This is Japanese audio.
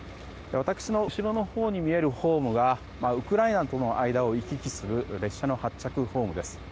私の後ろのほうに見えるホームがウクライナとの間を行き来する列車の発着ホームです。